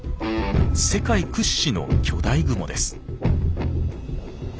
世界屈指の巨大グモです。